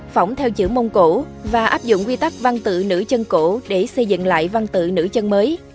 phỏng theo chữ mông cổ và áp dụng quy tắc văn tự nữ chân cổ để xây dựng lại văn tự nữ chân mới